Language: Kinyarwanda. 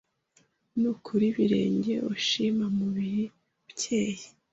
Ntukura ibirenge Ushima mubiri ukeye